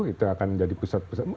itu akan jadi pusat pusat